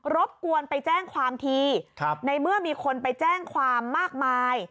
รบกวนไปแจ้งความทีในเมื่อมีคนไปแจ้งความมากมาย